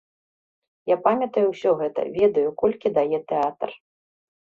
Я памятаю ўсё гэта, ведаю, колькі дае тэатр.